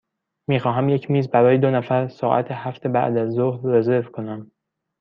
می خواهم یک میز برای دو نفر ساعت هفت بعدازظهر رزرو کنم.